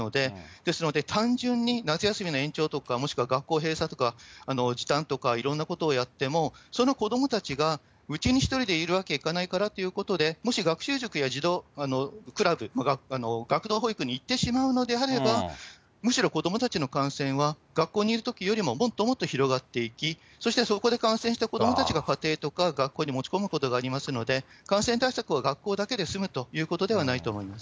ですので、単純に夏休みの延長とか、もしくは学校閉鎖とか、時短とかいろんなことをやっても、その子どもたちがうちに１人でいるわけにいかないからということで、もし学習塾や児童クラブ、学童保育に行ってしまうのであれば、むしろ、子どもたちの感染は、学校にいるときよりももっともっと広がっていき、そしてそこで感染した子どもたちが、家庭とか学校に持ち込むことがありますので、感染対策を学校だけで済むということではないと思います。